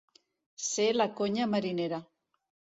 Ser la conya marinera.